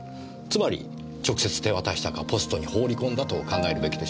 つまり直接手渡したかポストに放り込んだと考えるべきでしょうね。